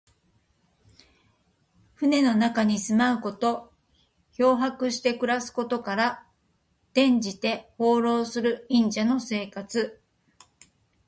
船の中に住まうこと。漂泊して暮らすことから、転じて、放浪する隠者の生活。